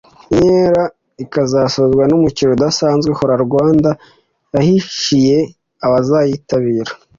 inkera ikazasozwa n’umukino udasanzwe “Hora Rwanda” yahishiye abaziyitabira